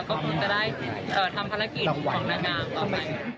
ก็คงจะได้ทำภารกิจของนางงามต่อไป